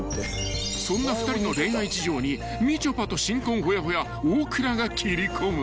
［そんな２人の恋愛事情にみちょぱと新婚ほやほや大倉が斬り込む］